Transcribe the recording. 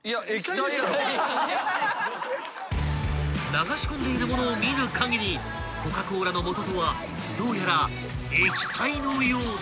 ［流し込んでいるものを見るかぎりコカ・コーラの素とはどうやら液体のようだ］